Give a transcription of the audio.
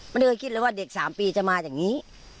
ไม่เคยคิดเลยว่าเด็ก๓ปีจะมาอย่างนี้